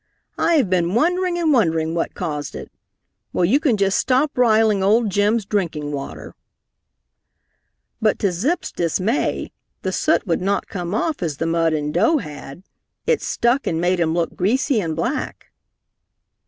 I have been wondering and wondering what caused it. Well, you can just stop riling old Jim's drinking water." But to Zip's dismay, the soot would not come off as the mud and dough had. It stuck and made him look greasy and black.